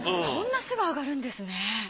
そんなすぐ上がるんですね。